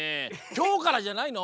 きょうからじゃないの？